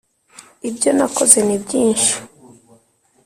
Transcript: Ibyo nakoze ni byinshi